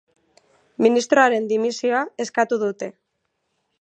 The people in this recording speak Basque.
Ministroaren dimisioa eskatu dute.